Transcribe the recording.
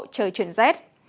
trời chuyển rét